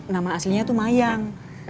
nama aslinya tuh mayang